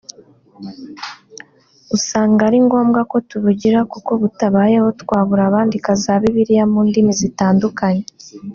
usanga ari ngombwa ko tubugira kuko butabayeho twabura abandika za bibiliya mu ndimi zitandukanye